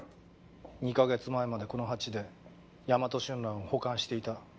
２か月前までこの鉢でヤマトシュンランを保管していた。